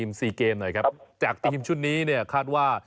ของการเตรียมทีมสี่เกมหน่อยครับครับจากทีมชุดนี้เนี่ยคาดว่า